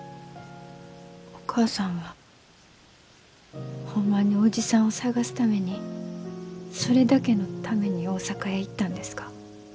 お母さんはホンマに伯父さんを捜すためにそれだけのために大阪へ行ったんですか？